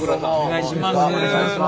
お願いします。